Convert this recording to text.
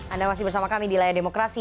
anda masih bersama kami di layar demokrasi